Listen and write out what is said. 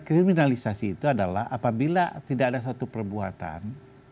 kriminalisasi itu adalah apabila tidak ada satu perbuatan